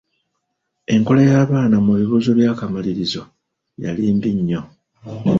Enkola y'abaana mu bibuuzo by'akamalirizo yali mbi nnyo.